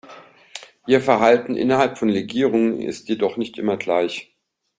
Ihr Verhalten innerhalb von Legierungen ist jedoch nicht immer gleich.